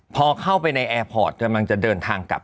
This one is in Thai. พอเข้าไปในแอร์พอร์ตกำลังจะเดินทางกลับ